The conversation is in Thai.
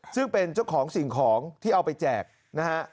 ซึ่งเป็นเจ้าของสิ่งของที่เอาไปแจกนะฮะ